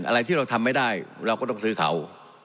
อะไรที่เราทำไม่ได้เราก็ต้องซื้อเขา